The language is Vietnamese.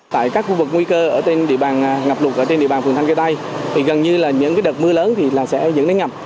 tại các khu vực nguy cơ ở trên địa bàn ngập lụt ở trên địa bàn phường thanh khê tây gần như là những đợt mưa lớn thì sẽ dẫn đến ngập